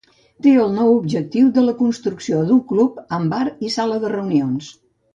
Té el nou objectiu de la construcció d'un club amb bar i sala de reunions.